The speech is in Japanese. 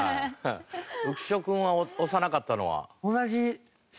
浮所君は押さなかったのは？